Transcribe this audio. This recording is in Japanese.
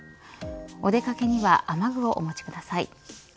お出掛けには雨具をお持ちください。